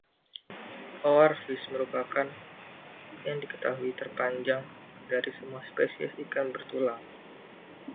Oarfish merupakan yang diketahui terpanjang dari semua spesies ikan bertulang.